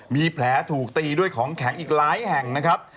มีแผลถูกตีด้วยของแข็งอีกหลายแห่งนะครับ